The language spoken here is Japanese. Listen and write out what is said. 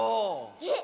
えっ。